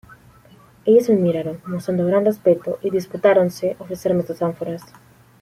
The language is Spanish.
ellas me miraron mostrando gran respeto, y disputáronse ofrecerme sus ánforas